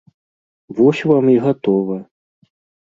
Вось вам і гатова!